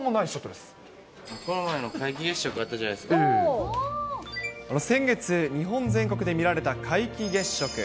この前の皆既月食あったじゃ先月、日本全国で見られた皆既月食。